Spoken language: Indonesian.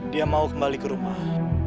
dia mau kembali ke rumah